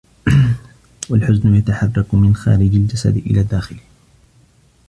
وَالْحُزْنُ يَتَحَرَّك مِنْ خَارِجِ الْجَسَدِ إلَى دَاخِلِهِ